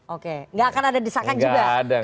oke enggak akan ada desakan juga kepada anies